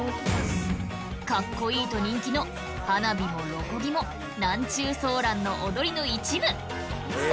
カッコいいと人気の「花火」も「ろこぎ」も南中ソーランの踊りの一部！